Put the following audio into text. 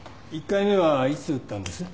１回目はいつ打ったんです？